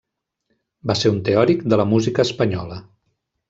Va ser un teòric de la música espanyola.